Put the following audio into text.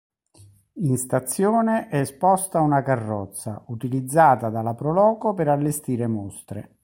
In stazione è esposta una carrozza, utilizzata dalla Pro Loco per allestire mostre.